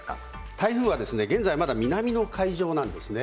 台風は現在まだ南の海上なんですね。